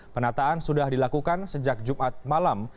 penataan sudah dilakukan sejak jumat malam